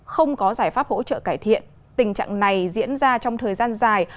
không có giải pháp hỗ trợ cải thiện tình trạng này diễn ra trong thời gian dài